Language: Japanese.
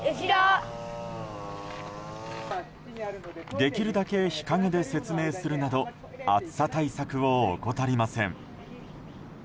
できるだけ日陰で説明するなど暑さ対策を怠りません。